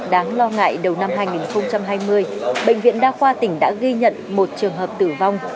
đáng lo ngại đầu năm hai nghìn hai mươi bệnh viện đa khoa tỉnh đã ghi nhận một trường hợp tử vong